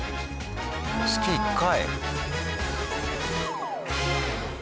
月１回。